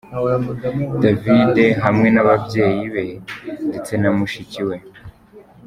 David hamwe n'ababyeyi be ndetse na mushiki we.